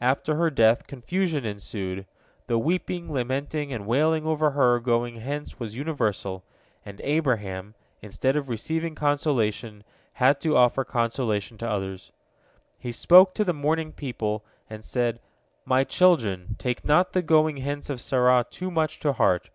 After her death confusion ensued. The weeping, lamenting, and wailing over her going hence was universal, and Abraham, instead of receiving consolation, had to offer consolation to others. He spoke to the mourning people, and said: "My children, take not the going hence of Sarah too much to heart.